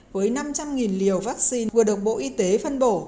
với năm trăm linh liều vaccine vừa được bộ y tế phân bổ